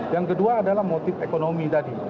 yang kedua adalah motif ekonomi tadi